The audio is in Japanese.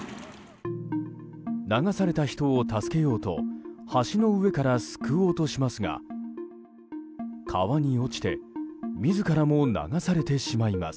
流された人を助けようと橋の上から救おうとしますが川に落ちて自らも流されてしまいます。